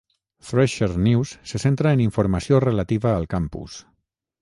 "Thresher" News se centra en informació relativa al campus.